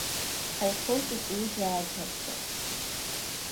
Ҳаихылҵит ҩыџьа аӡӷабцәа.